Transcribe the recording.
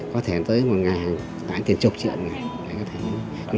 có thể tới một ngày tải tiền chục triệu một ngày